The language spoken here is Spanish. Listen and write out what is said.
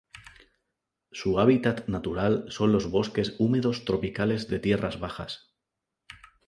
Su habitat natural son los bosques húmedos tropicales de tierras bajas.